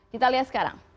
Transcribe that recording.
kita lihat sekarang